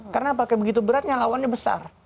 karena pakai begitu beratnya lawannya besar